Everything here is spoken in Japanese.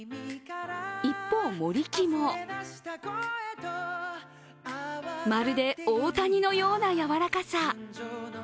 一方、森木もまるで大谷のような柔らかさ。